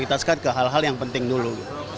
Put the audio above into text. kita sekat ke hal hal yang penting dulu